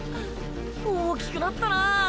大きくなったなぁ。